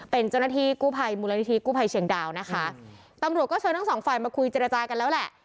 เป็นเจ้าหน้าที่กู้ภัยมูลนิธิกู้ภัยเชียงดาวนะคะตำรวจก็เชิญทั้งสองฝ่ายมาคุยเจรจากันแล้วแหละ